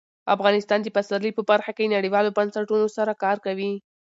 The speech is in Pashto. افغانستان د پسرلی په برخه کې نړیوالو بنسټونو سره کار کوي.